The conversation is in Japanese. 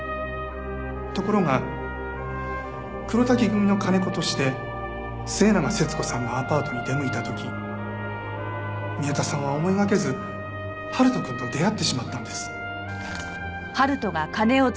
ところが黒瀧組の金子として末永節子さんのアパートに出向いた時宮田さんは思いがけず春人くんと出会ってしまったんです。